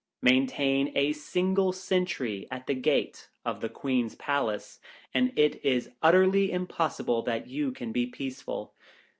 Maintain a single sentry at the gate of the Queen's Palace, and it is utterly impossible that you can be peaceful.